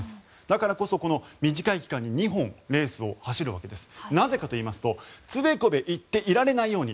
だからこそ短い期間に２本レースを走るわけです。